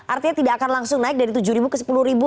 artinya tidak akan langsung naik dari rp tujuh ke rp sepuluh